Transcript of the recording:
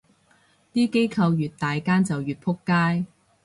啲機構越大間就越仆街